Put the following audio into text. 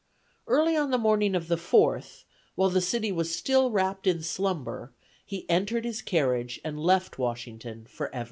Early on the morning of the 4th, while the city was still wrapped in slumber, he entered his carriage and left Washington forever.